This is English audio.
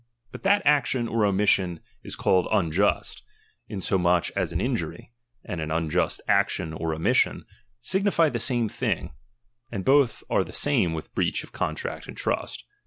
But that action i oromission is called uujust ; insomuch as an injury, chap, i and an unjust action or omission, signify the same '~ thing, and both are the same with breach of con tract and trust.